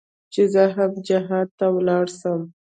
چې زه هم جهاد ته ولاړ سم.